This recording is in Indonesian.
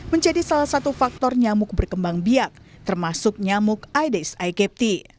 menjadi salah satu faktor nyamuk berkembang biak termasuk nyamuk aedes aegypti